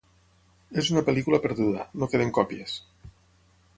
És una pel·lícula perduda, no queden còpies.